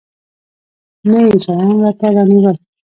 نه يې شيان راته رانيول.